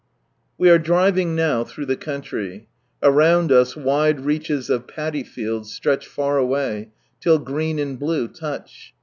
... VVe are driving now, through the country ; around us wide reaches of paddy fields stretch far away, till green and blue touch.